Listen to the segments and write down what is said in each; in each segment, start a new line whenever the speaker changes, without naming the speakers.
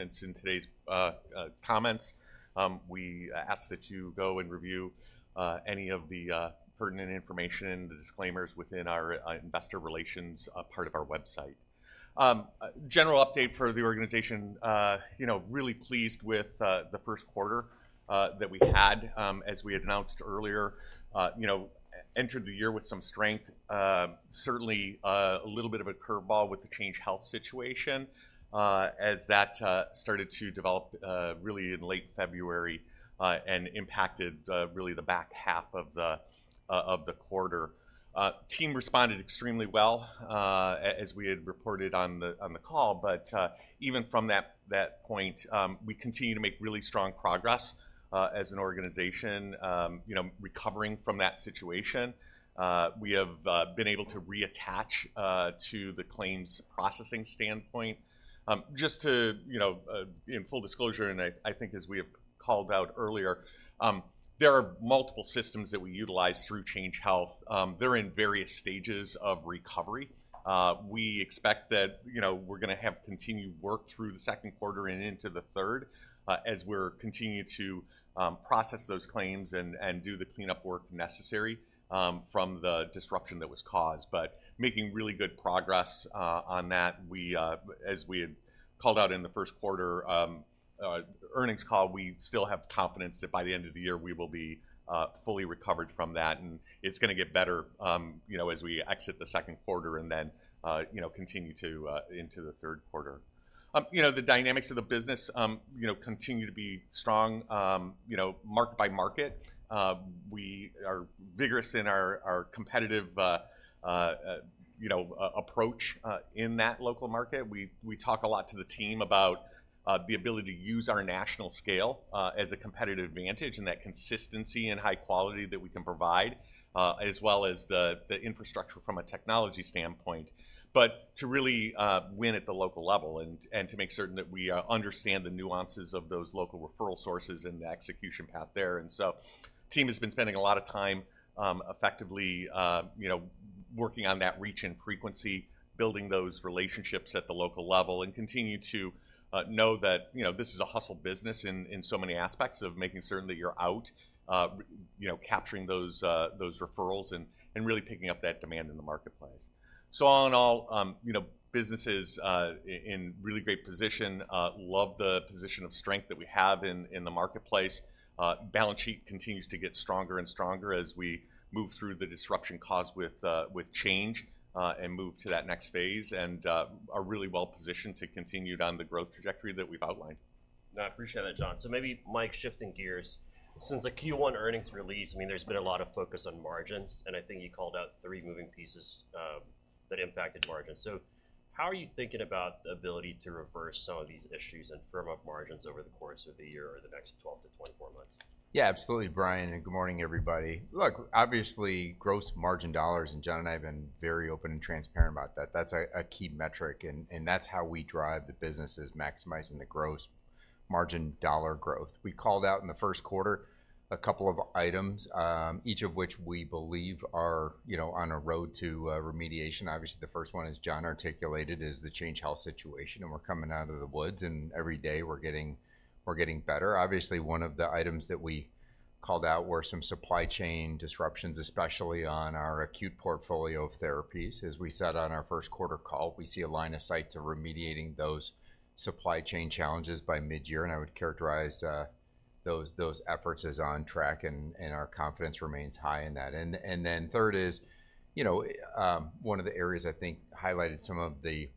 Comments in today's comments. We ask that you go and review any of the pertinent information, the disclaimers within our investor relations part of our website. General update for the organization, you know, really pleased with the first quarter that we had. As we had announced earlier, you know, entered the year with some strength. Certainly, a little bit of a curveball with the Change Healthcare situation, as that started to develop, really in late February, and impacted really the back half of the quarter. Team responded extremely well, as we had reported on the call, but even from that point, we continue to make really strong progress, as an organization, you know, recovering from that situation. We have been able to reattach to the claims processing standpoint. Just to, you know, in full disclosure, and I think as we have called out earlier, there are multiple systems that we utilize through Change Healthcare. They're in various stages of recovery. We expect that, you know, we're gonna have continued work through the second quarter and into the third, as we're continuing to process those claims and do the cleanup work necessary, from the disruption that was caused. But making really good progress on that. As we had called out in the first quarter earnings call, we still have confidence that by the end of the year, we will be fully recovered from that, and it's gonna get better, you know, as we exit the second quarter and then, you know, continue to into the third quarter. You know, the dynamics of the business, you know, continue to be strong, you know, market by market. We are vigorous in our competitive approach in that local market. We talk a lot to the team about the ability to use our national scale as a competitive advantage, and that consistency and high quality that we can provide as well as the infrastructure from a technology standpoint. But to really win at the local level and to make certain that we understand the nuances of those local referral sources and the execution path there. And so, the team has been spending a lot of time, effectively, you know, working on that reach and frequency, building those relationships at the local level, and continue to know that, you know, this is a hustle business in so many aspects of making certain that you're out, you know, capturing those referrals and really picking up that demand in the marketplace. So all in all, you know, business is in really great position. Love the position of strength that we have in the marketplace. Balance sheet continues to get stronger and stronger as we move through the disruption caused with Change Healthcare and move to that next phase, and are really well positioned to continue down the growth trajectory that we've outlined.
I appreciate that, John. So maybe, Mike, shifting gears. Since the Q1 earnings release, I mean, there's been a lot of focus on margins, and I think you called out three moving pieces that impacted margins. So how are you thinking about the ability to reverse some of these issues and firm up margins over the course of the year or the next 12-24 months?
Yeah, absolutely, Brian, and good morning, everybody. Look, obviously, gross margin dollars, and John and I have been very open and transparent about that. That's a key metric, and that's how we drive the business is maximizing the gross margin dollar growth. We called out in the first quarter a couple of items, each of which we believe are, you know, on a road to remediation. Obviously, the first one, as John articulated, is the Change Healthcare situation, and we're coming out of the woods, and every day we're getting better. Obviously, one of the items that we called out were some supply chain disruptions, especially on our acute portfolio of therapies. As we said on our first quarter call, we see a line of sight to remediating those supply chain challenges by midyear, and I would characterize those efforts as on track, and our confidence remains high in that. And then third is, you know, one of the areas I think highlighted some of the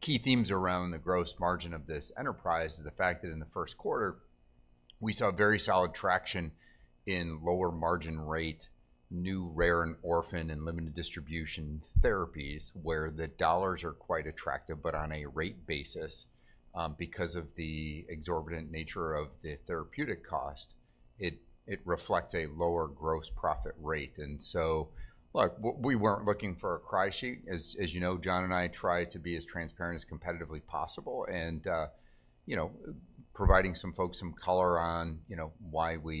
key themes around the gross margin of this enterprise is the fact that in the first quarter, we saw very solid traction in lower margin rate, new, rare, and orphan and limited distribution therapies, where the dollars are quite attractive, but on a rate basis, because of the exorbitant nature of the therapeutic cost, it reflects a lower gross profit rate. And so, look, we weren't looking for a crib sheet. As you know, John and I try to be as transparent as competitively possible and, you know, providing some folks some color on, you know, why we,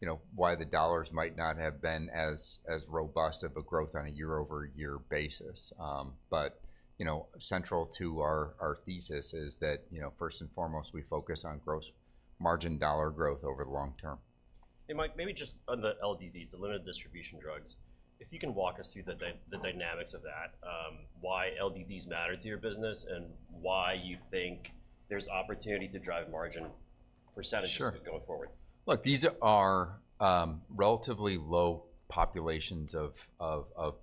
you know, why the dollars might not have been as robust of a growth on a year-over-year basis. But, you know, central to our thesis is that, you know, first and foremost, we focus on gross margin dollar growth over the long term.
Mike, maybe just on the LDDs, the limited distribution drugs, if you can walk us through the dynamics of that, why LDDs matter to your business and why you think there's opportunity to drive margin percentages-
Sure...
going forward.
Look, these are relatively low populations of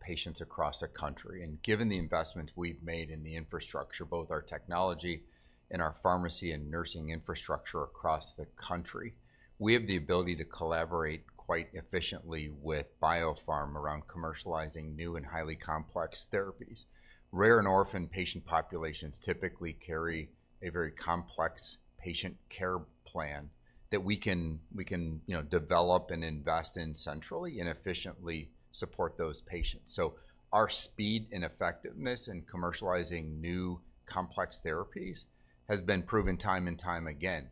patients across the country. Given the investment we've made in the infrastructure, both our technology and our pharmacy and nursing infrastructure across the country, we have the ability to collaborate quite efficiently with biopharma around commercializing new and highly complex therapies. Rare and orphan patient populations typically carry a very complex patient care plan that we can, you know, develop and invest in centrally and efficiently support those patients. So our speed and effectiveness in commercializing new complex therapies has been proven time and time again.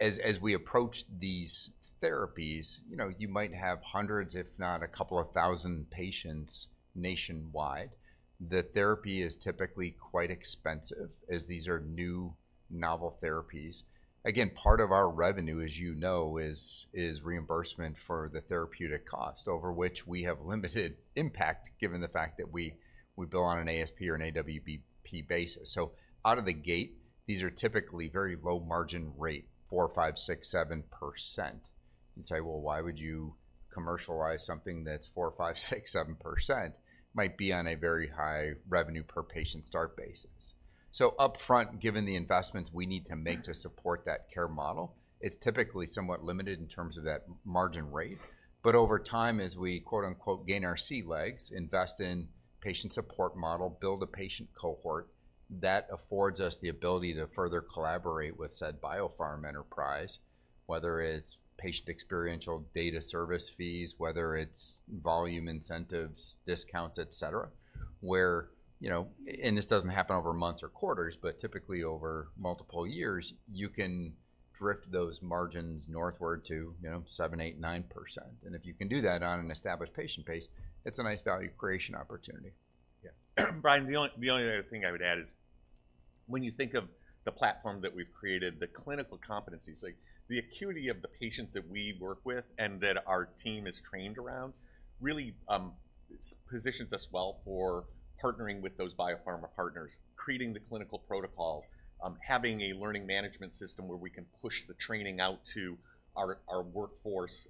As we approach these therapies, you know, you might have hundreds, if not a couple thousand patients nationwide. The therapy is typically quite expensive, as these are new novel therapies. Again, part of our revenue, as you know, is reimbursement for the therapeutic cost, over which we have limited impact, given the fact that we bill on an ASP or an AWP basis. So out of the gate, these are typically very low margin rate, 4%, 5%, 6%, 7%. You say, "Well, why would you commercialize something that's 4%, 5%, 6%, 7%?" Might be on a very high revenue per patient start basis. So upfront, given the investments we need to make to support that care model, it's typically somewhat limited in terms of that margin rate. But over time, as we, quote-unquote, "gain our sea legs," invest in patient support model, build a patient cohort, that affords us the ability to further collaborate with said biopharma enterprise, whether it's patient experiential data service fees, whether it's volume incentives, discounts, et cetera, where, you know. And this doesn't happen over months or quarters, but typically over multiple years, you can drift those margins northward to, you know, 7%, 8%, 9%. And if you can do that on an established patient base, it's a nice value creation opportunity.
Yeah. Brian, the only, the only other thing I would add is when you think of the platform that we've created, the clinical competencies, like, the acuity of the patients that we work with and that our team is trained around, really positions us well for partnering with those biopharma partners, creating the clinical protocols, having a learning management system where we can push the training out to our, our workforce.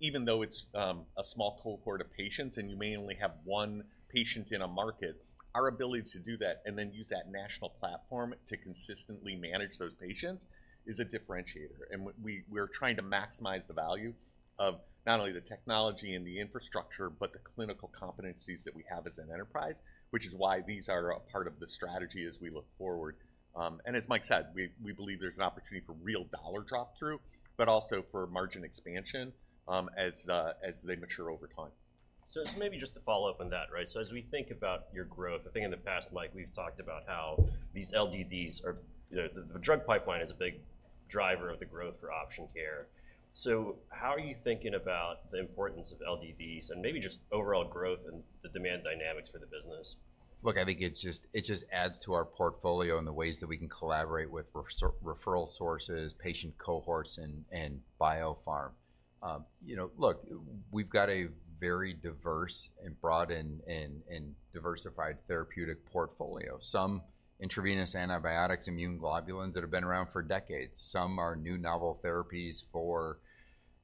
Even though it's a small cohort of patients and you may only have one patient in a market, our ability to do that and then use that national platform to consistently manage those patients is a differentiator. We're trying to maximize the value of not only the technology and the infrastructure, but the clinical competencies that we have as an enterprise, which is why these are a part of the strategy as we look forward. As Mike said, we believe there's an opportunity for real dollar drop through, but also for margin expansion, as they mature over time.
So just maybe just to follow up on that, right? So as we think about your growth, I think in the past, Mike, we've talked about how these LDDs are, you know, the, the drug pipeline is a big driver of the growth for Option Care. So how are you thinking about the importance of LDDs and maybe just overall growth and the demand dynamics for the business?
Look, I think it just, it just adds to our portfolio and the ways that we can collaborate with referral sources, patient cohorts, and biopharma. You know, look, we've got a very diverse and broad and diversified therapeutic portfolio. Some intravenous antibiotics, immune globulins that have been around for decades. Some are new novel therapies for,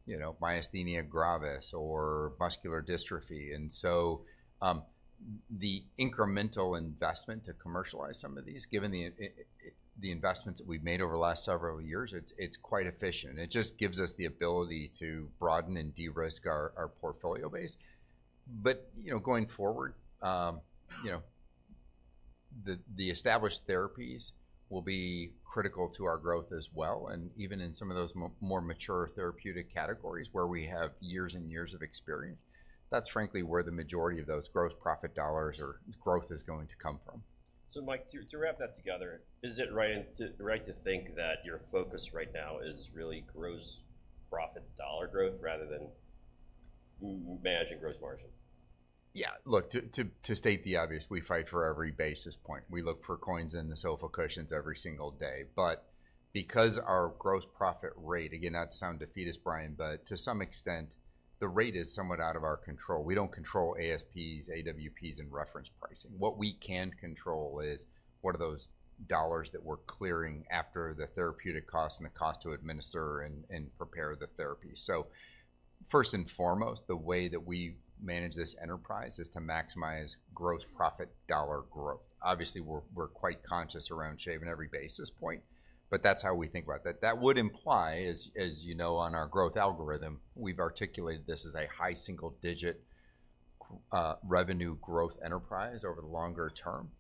you know, myasthenia gravis or muscular dystrophy. And so, the incremental investment to commercialize some of these, given the the investments that we've made over the last several years, it's quite efficient. It just gives us the ability to broaden and de-risk our portfolio base. But, you know, going forward, you know, the established therapies will be critical to our growth as well, and even in some of those more mature therapeutic categories, where we have years and years of experience. That's frankly where the majority of those gross profit dollars or growth is going to come from.
So, Mike, to wrap that together, is it right to, right to think that your focus right now is really gross profit dollar growth rather than managing gross margin?
Yeah. Look, to state the obvious, we fight for every basis point. We look for coins in the sofa cushions every single day. But because our gross profit rate, again, not to sound defeatist, Brian, but to some extent, the rate is somewhat out of our control. We don't control ASPs, AWPs, and reference pricing. What we can control is, what are those dollars that we're clearing after the therapeutic cost and the cost to administer and prepare the therapy? So first and foremost, the way that we manage this enterprise is to maximize gross profit dollar growth. Obviously, we're quite conscious around shaving every basis point, but that's how we think about that. That would imply, as you know, on our growth algorithm, we've articulated this as a high single-digit revenue growth enterprise over the longer term.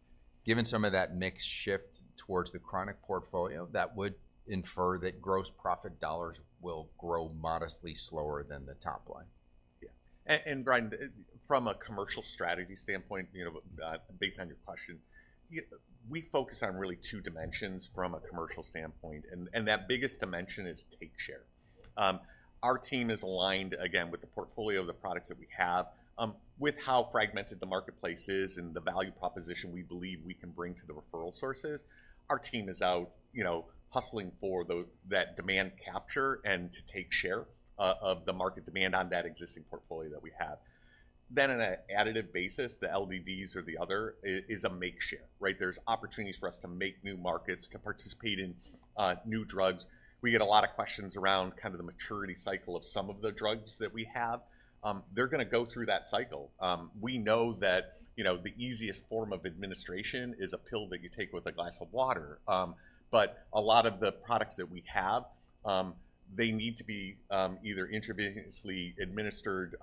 Given some of that mix shift towards the chronic portfolio, that would infer that gross profit dollars will grow modestly slower than the top line.
Yeah. And Brian, from a commercial strategy standpoint, you know, based on your question, we focus on really two dimensions from a commercial standpoint, and that biggest dimension is take share. Our team is aligned, again, with the portfolio of the products that we have. With how fragmented the marketplace is and the value proposition we believe we can bring to the referral sources, our team is out, you know, hustling for that demand capture and to take share of the market demand on that existing portfolio that we have. Then on an additive basis, the LDDs or the other is a make share, right? There's opportunities for us to make new markets, to participate in new drugs. We get a lot of questions around kind of the maturity cycle of some of the drugs that we have. They're gonna go through that cycle. We know that, you know, the easiest form of administration is a pill that you take with a glass of water. But a lot of the products that we have, they need to be either intravenously administered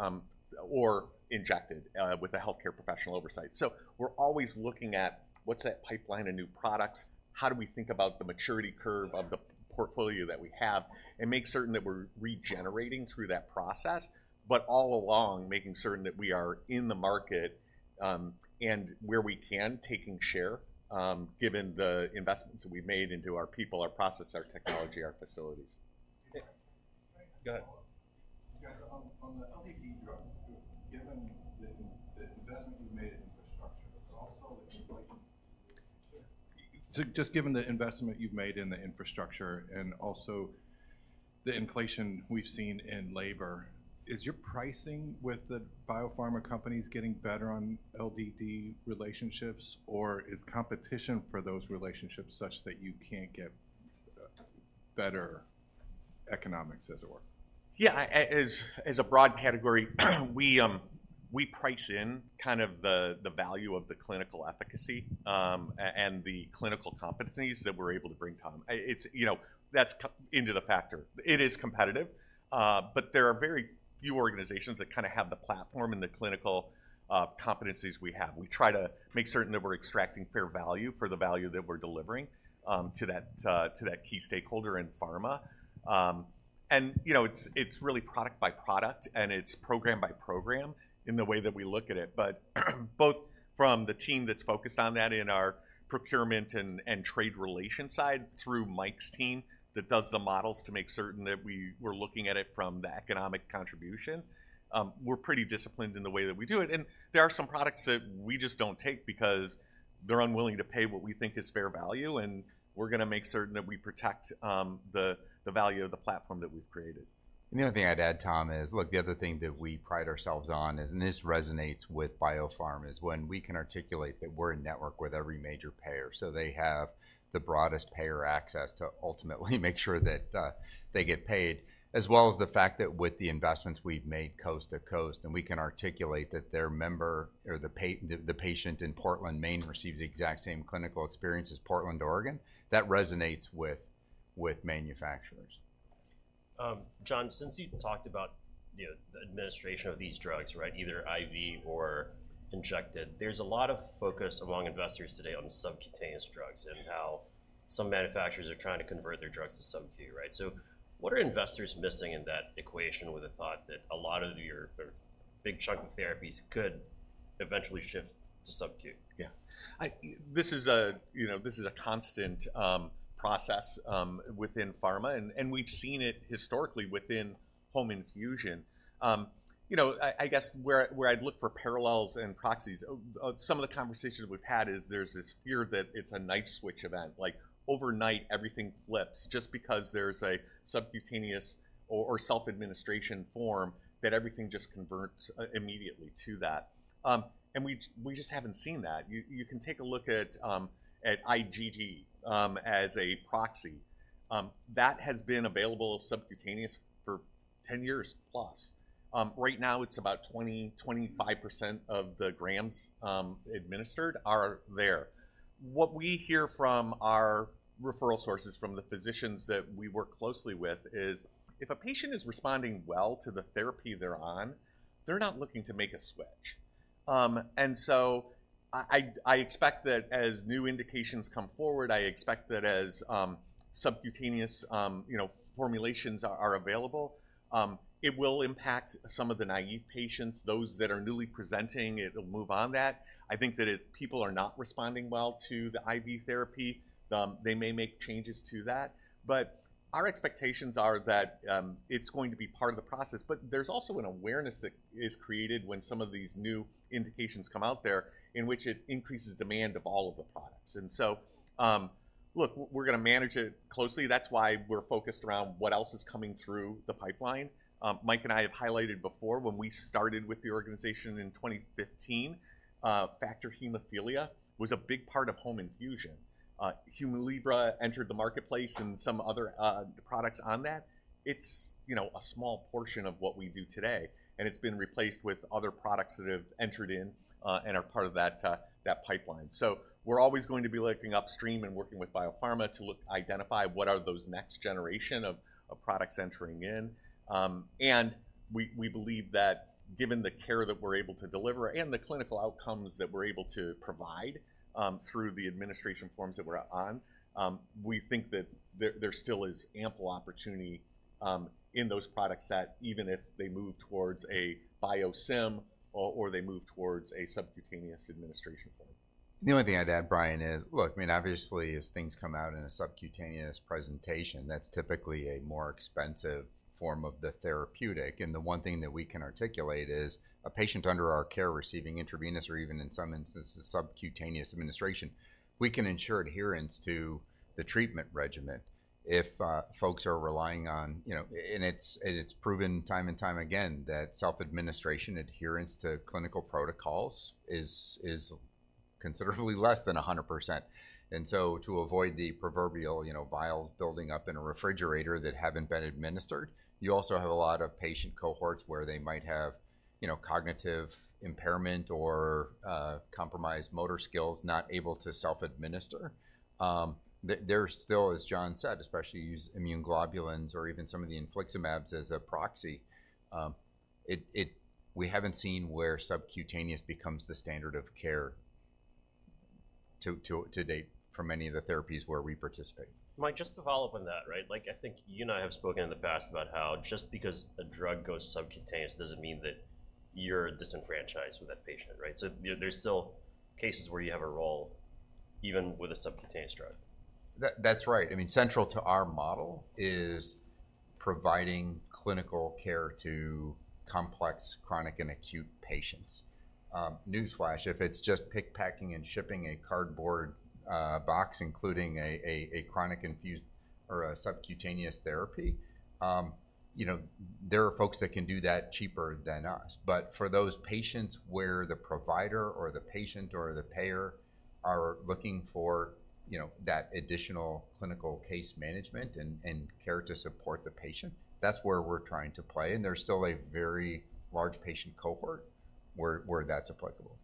or injected with a healthcare professional oversight. So we're always looking at what's that pipeline of new products, how do we think about the maturity curve of the portfolio that we have, and make certain that we're regenerating through that process, but all along, making certain that we are in the market and where we can, taking share, given the investments that we've made into our people, our process, our technology, our facilities.
Yeah....
Go ahead.
Guys, on the LDD drugs, given the investment you've made in infrastructure, but also the inflation. So just given the investment you've made in the infrastructure and also the inflation we've seen in labor, is your pricing with the biopharma companies getting better on LDD relationships, or is competition for those relationships such that you can't get better economics, as it were?
Yeah, as a broad category, we price in kind of the value of the clinical efficacy and the clinical competencies that we're able to bring, Tom. It's, you know, that's cut into the factor. It is competitive, but there are very few organizations that kinda have the platform and the clinical competencies we have. We try to make certain that we're extracting fair value for the value that we're delivering to that key stakeholder in pharma. And, you know, it's really product by product, and it's program by program in the way that we look at it. But both from the team that's focused on that in our procurement and trade relation side, through Mike's team, that does the models to make certain that we're looking at it from the economic contribution. We're pretty disciplined in the way that we do it. And there are some products that we just don't take because they're unwilling to pay what we think is fair value, and we're gonna make certain that we protect the value of the platform that we've created.
And the other thing I'd add, Tom, is, look, the other thing that we pride ourselves on, and this resonates with biopharma, is when we can articulate that we're in network with every major payer, so they have the broadest payer access to ultimately make sure that they get paid, as well as the fact that with the investments we've made coast to coast, and we can articulate that their member or the patient in Portland, Maine, receives the exact same clinical experience as Portland, Oregon. That resonates with manufacturers.
John, since you talked about, you know, the administration of these drugs, right, either IV or injected, there's a lot of focus among investors today on subcutaneous drugs and how some manufacturers are trying to convert their drugs to subQ, right? So what are investors missing in that equation with the thought that a lot of your big chunk of therapies could eventually shift to subQ?
Yeah. This is a, you know, this is a constant process within pharma, and we've seen it historically within home infusion. You know, I guess, where I'd look for parallels and proxies, some of the conversations we've had is there's this fear that it's a night switch event. Like, overnight, everything flips just because there's a subcutaneous or self-administration form, that everything just converts immediately to that. And we just haven't seen that. You can take a look at at IgG as a proxy. That has been available subcutaneous for 10 years plus. Right now, it's about 20-25% of the grams administered are there. What we hear from our referral sources, from the physicians that we work closely with, is if a patient is responding well to the therapy they're on, they're not looking to make a switch. And so I expect that as new indications come forward, as subcutaneous, you know, formulations are available, it will impact some of the naive patients, those that are newly presenting, it'll move on that. I think that if people are not responding well to the IV therapy, they may make changes to that. But our expectations are that it's going to be part of the process, but there's also an awareness that is created when some of these new indications come out there, in which it increases demand of all of the products. And so, look, we're gonna manage it closely. That's why we're focused around what else is coming through the pipeline. Mike and I have highlighted before, when we started with the organization in 2015, factor hemophilia was a big part of home infusion. Humira entered the marketplace and some other products on that. It's, you know, a small portion of what we do today, and it's been replaced with other products that have entered in and are part of that that pipeline. So we're always going to be looking upstream and working with biopharma to identify what are those next generation of of products entering in. We believe that given the care that we're able to deliver and the clinical outcomes that we're able to provide, through the administration forms that we're on, we think that there still is ample opportunity in those products that even if they move towards a biosimilar or they move towards a subcutaneous administration form.
The only thing I'd add, Brian, is, look, I mean, obviously, as things come out in a subcutaneous presentation, that's typically a more expensive form of the therapeutic. And the one thing that we can articulate is, a patient under our care receiving intravenous or even, in some instances, subcutaneous administration, we can ensure adherence to the treatment regimen if folks are relying on... You know, and it's proven time and time again that self-administration adherence to clinical protocols is considerably less than 100%. And so to avoid the proverbial, you know, vials building up in a refrigerator that haven't been administered, you also have a lot of patient cohorts where they might have, you know, cognitive impairment or compromised motor skills, not able to self-administer. There's still, as John said, especially use immune globulins or even some of the infliximabs as a proxy. We haven't seen where subcutaneous becomes the standard of care to date for many of the therapies where we participate.
Mike, just to follow up on that, right? Like, I think you and I have spoken in the past about how just because a drug goes subcutaneous doesn't mean that you're disenfranchised with that patient, right? So there, there's still cases where you have a role... even with a subcutaneous drug?
That, that's right. I mean, central to our model is providing clinical care to complex, chronic, and acute patients. Newsflash, if it's just pick, packing, and shipping a cardboard box, including a chronic infusion or a subcutaneous therapy, you know, there are folks that can do that cheaper than us. But for those patients where the provider or the patient or the payer are looking for, you know, that additional clinical case management and care to support the patient, that's where we're trying to play, and there's still a very large patient cohort where that's applicable.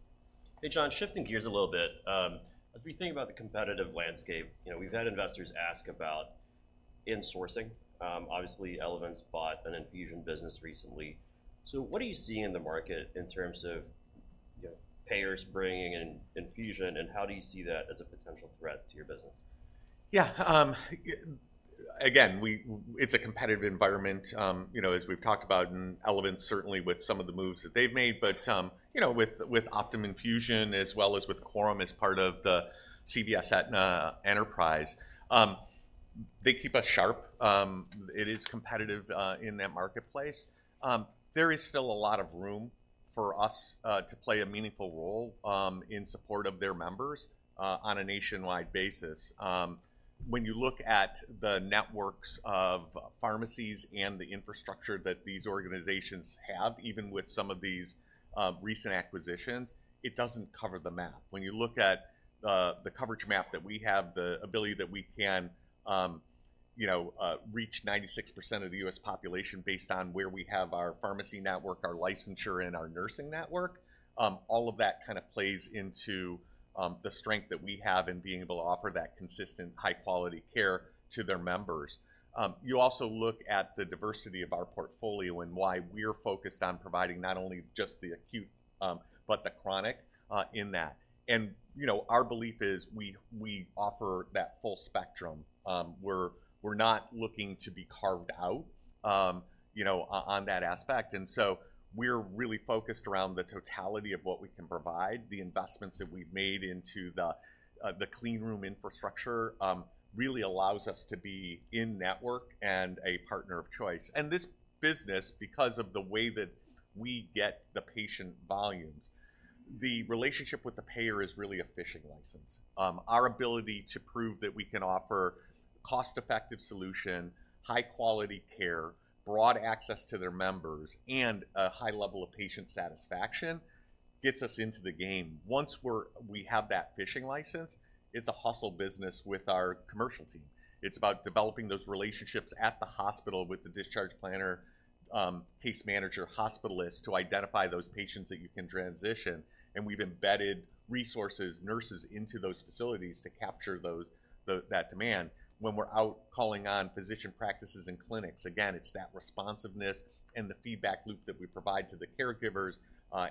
Hey, John, shifting gears a little bit, as we think about the competitive landscape, you know, we've had investors ask about insourcing. Obviously, Elevance bought an infusion business recently. So what are you seeing in the market in terms of, you know, payers bringing in infusion, and how do you see that as a potential threat to your business?
Yeah. Again, it's a competitive environment. You know, as we've talked about in Elevance, certainly with some of the moves that they've made, but, you know, with Optum Infusion as well as with Coram as part of the CVS enterprise, they keep us sharp. It is competitive in that marketplace. There is still a lot of room for us to play a meaningful role in support of their members on a nationwide basis. When you look at the networks of pharmacies and the infrastructure that these organizations have, even with some of these recent acquisitions, it doesn't cover the map. When you look at the coverage map that we have, the ability that we can, you know, reach 96% of the U.S. population based on where we have our pharmacy network, our licensure, and our nursing network, all of that kind of plays into the strength that we have in being able to offer that consistent high-quality care to their members. You also look at the diversity of our portfolio and why we're focused on providing not only just the acute, but the chronic, in that. And, you know, our belief is, we offer that full spectrum. We're not looking to be carved out, you know, on that aspect. And so we're really focused around the totality of what we can provide. The investments that we've made into the clean room infrastructure really allows us to be in network and a partner of choice. This business, because of the way that we get the patient volumes, the relationship with the payer is really a fishing license. Our ability to prove that we can offer cost-effective solution, high-quality care, broad access to their members, and a high level of patient satisfaction, gets us into the game. Once we have that fishing license, it's a hustle business with our commercial team. It's about developing those relationships at the hospital with the discharge planner, case manager, hospitalist, to identify those patients that you can transition, and we've embedded resources, nurses into those facilities to capture that demand. When we're out calling on physician practices and clinics, again, it's that responsiveness and the feedback loop that we provide to the caregivers,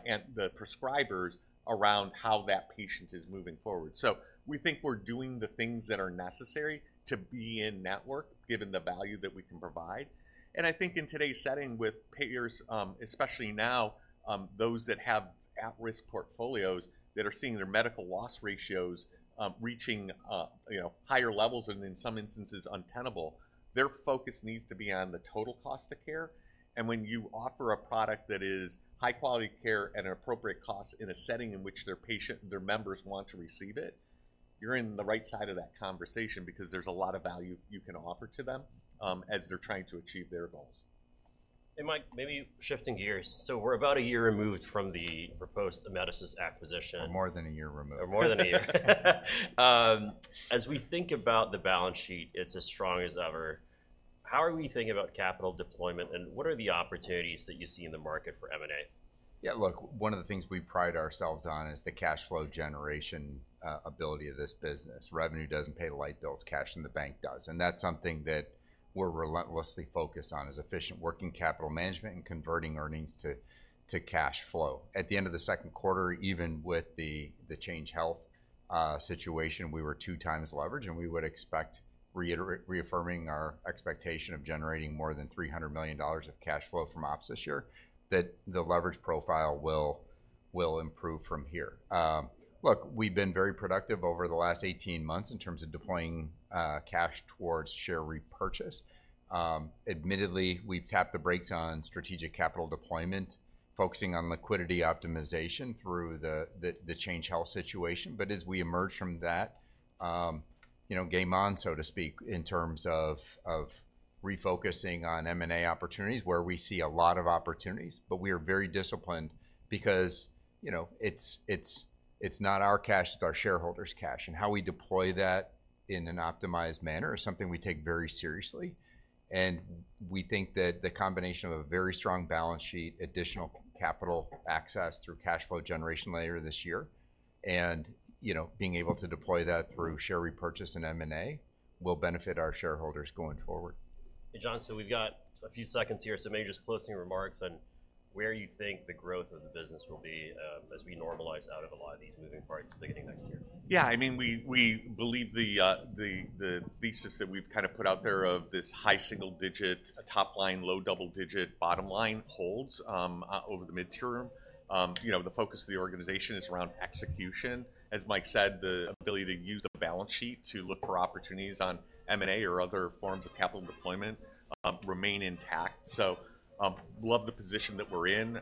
and the prescribers around how that patient is moving forward. So we think we're doing the things that are necessary to be in network, given the value that we can provide. And I think in today's setting with payers, especially now, those that have at-risk portfolios that are seeing their medical loss ratios reaching, you know, higher levels and in some instances, untenable, their focus needs to be on the total cost of care. When you offer a product that is high quality care at an appropriate cost in a setting in which their patient, their members want to receive it, you're in the right side of that conversation because there's a lot of value you can offer to them, as they're trying to achieve their goals.
Hey, Mike, maybe shifting gears. So we're about a year removed from the proposed Amedisys' acquisition-
We're more than a year removed.
More than a year. As we think about the balance sheet, it's as strong as ever. How are we thinking about capital deployment, and what are the opportunities that you see in the market for M&A?
Yeah, look, one of the things we pride ourselves on is the cash flow generation ability of this business. Revenue doesn't pay the light bills. Cash in the bank does. And that's something that we're relentlessly focused on, is efficient working capital management and converting earnings to cash flow. At the end of the second quarter, even with the Change Healthcare situation, we were 2x leverage, and we would expect reaffirming our expectation of generating more than $300 million of cash flow from ops this year, that the leverage profile will improve from here. Look, we've been very productive over the last 18 months in terms of deploying cash towards share repurchase. Admittedly, we've tapped the brakes on strategic capital deployment, focusing on liquidity optimization through the Change Healthcare situation. But as we emerge from that, you know, game on, so to speak, in terms of refocusing on M&A opportunities, where we see a lot of opportunities. But we are very disciplined because, you know, it's not our cash, it's our shareholders' cash. And how we deploy that in an optimized manner is something we take very seriously. And we think that the combination of a very strong balance sheet, additional capital access through cash flow generation later this year, and, you know, being able to deploy that through share repurchase and M&A, will benefit our shareholders going forward.
Hey, John, so we've got a few seconds here, so maybe just closing remarks on where you think the growth of the business will be, as we normalize out of a lot of these moving parts beginning next year.
Yeah, I mean, we believe the thesis that we've kind of put out there of this high single-digit top line, low double-digit bottom line holds over the midterm. You know, the focus of the organization is around execution. As Mike said, the ability to use the balance sheet to look for opportunities on M&A or other forms of capital deployment remain intact. So, love the position that we're in.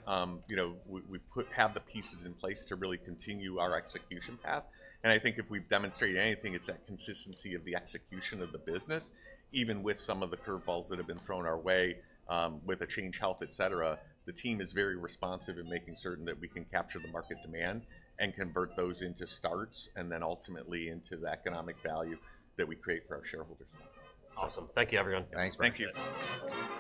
You know, we have the pieces in place to really continue our execution path. And I think if we've demonstrated anything, it's that consistency of the execution of the business, even with some of the curve balls that have been thrown our way, with the Change Healthcare, et cetera. The team is very responsive in making certain that we can capture the market demand and convert those into starts, and then ultimately into the economic value that we create for our shareholders.
Awesome. Thank you, everyone.
Thanks.
Thank you.